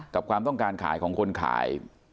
ความต้องการขายของคนขาย